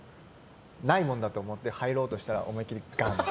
ないもんだと思って入ろうとしたら思い切りがんって。